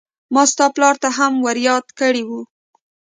ما ستا پلار ته هم ور ياده کړې وه.